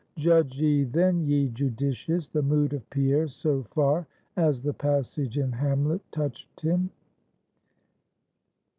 Judge ye, then, ye Judicious, the mood of Pierre, so far as the passage in Hamlet touched him.